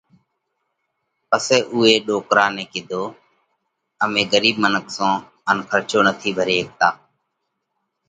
پسئہ اُوئہ ڏوڪرا نئہ ڪِيڌو: امي ڳرِيٻ منک سون ان کرچو نٿِي ڀري هيڪتا۔